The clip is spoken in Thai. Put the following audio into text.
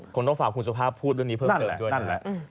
คงต้องฝากคุณสุภาพูดเรื่องนี้เพิ่มเกิดด้วย